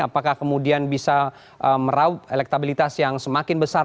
apakah kemudian bisa meraup elektabilitas yang semakin besar